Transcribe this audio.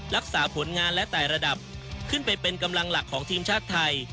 รักษาผลงานและแต่ระดับขึ้นไปเป็นกำลังหลักของทีมชาติไทย